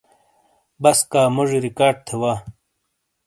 بَسکاموجی ریکارڈ تھے وا۔